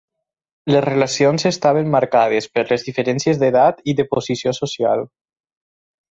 Les relacions estaven marcades per les diferències d'edat i de posició social.